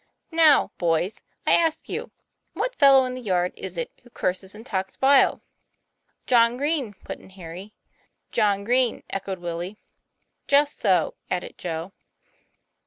" Now, boys, I ask you what fellow in the yard is it who curses and talks vile?" "John Green," put in Harry. "John Green," echoed Willie. "Just so," added Joe.